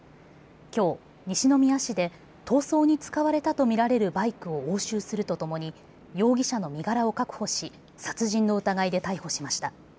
きょう西宮市で逃走に使われたとみられるバイクを押収するとともに容疑者の身柄を確保し殺人の疑いで逮捕しました。